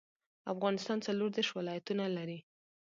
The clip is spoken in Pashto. افغانستان څلور ديرش ولايتونه لري